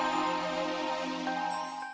ada yang mahasiswa